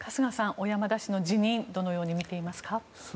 小山田氏の辞任をどのように見ていますか？